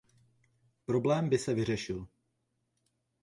Problém by se vyřešil.